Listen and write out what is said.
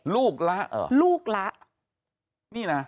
ลูกละเหรอนี่นะลูกละ